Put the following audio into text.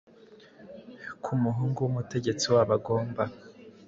Ko umuhungu wumutegetsi wabo agomba